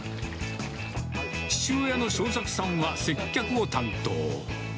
父親の正作さんは接客を担当。